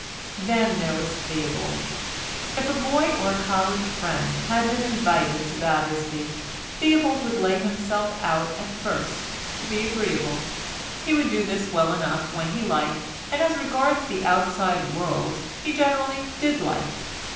Then there was Theobald. If a boy or college friend had been invited to Battersby, Theobald would lay himself out at first to be agreeable. He could do this well enough when he liked, and as regards the outside world he generally did like.